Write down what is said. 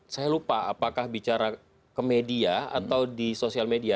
saya lupa apakah bicara ke media atau di sosial media